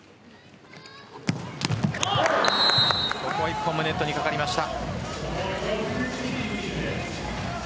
ここは１本目がネットに掛かりました。